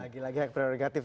lagi lagi yang prioritatif